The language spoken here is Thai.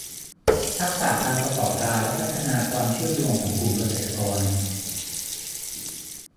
ทักษะการประกอบการและพัฒนาความเชื่อมโยงของกลุ่มเกษตรกร